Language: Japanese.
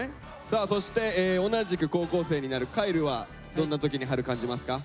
さあそして同じく高校生になる海琉はどんな時に春感じますか？